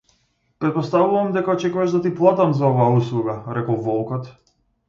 Претпоставувам дека очекуваш да ти платам за оваа услуга, рекол волкот.